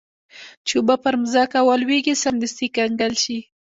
چې اوبه پر مځکه ولویږي سمدستي کنګل شي.